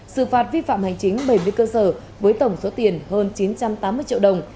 sự phạt vi phạm hành chính bảy mươi cơ sở với tổng số tiền hơn chín trăm tám mươi triệu đồng